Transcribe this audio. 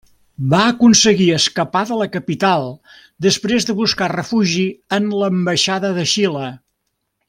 Va aconseguir escapar de la capital després de buscar refugi en l'Ambaixada de Xile.